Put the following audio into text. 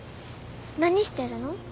何してるの？